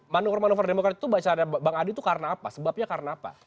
manuver manuver demokrat itu baca bang adi itu karena apa sebabnya karena apa